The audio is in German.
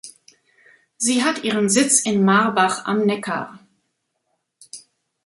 Sie hat ihren Sitz in Marbach am Neckar.